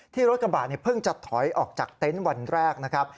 รถกระบะเพิ่งจะถอยออกจากเต็นต์วันแรกนะครับ